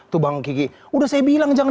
tuh bang kiki udah saya bilang jangan